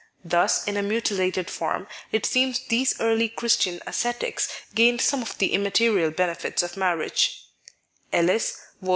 Thus, in a mutilated form, it seems these early Christian ascetics gained some of the immaterial benefits of marriage, Ellis (Vol.